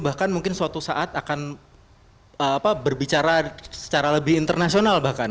bahkan mungkin suatu saat akan berbicara secara lebih internasional bahkan